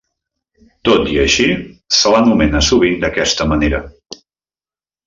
Tot i així, se l'anomena sovint d'aquesta manera.